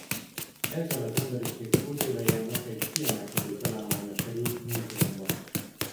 Ezzel az emberiség kultúrájának egy kiemelkedő találmánya került múzeumba.